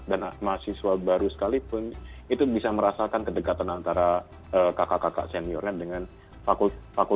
dan mahasiswa baru sekalipun itu bisa merasakan kedekatan antara kakak kakak senioren dengan fakultas paling tidak itu ya